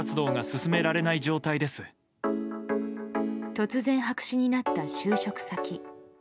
突然白紙になった就職先。